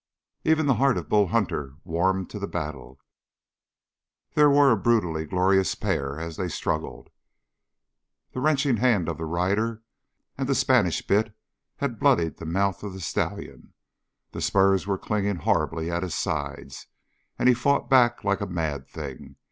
Even the heart of Bull Hunter warmed to the battle. They were a brutally glorious pair as they struggled. The wrenching hand of the rider and the Spanish bit had bloodied the mouth of the stallion, the spurs were clinging horribly at his sides, and he fought back like a mad thing.